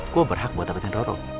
gue berhak buat dapetin roro